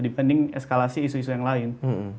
dibanding eskalasi isu isu yang lain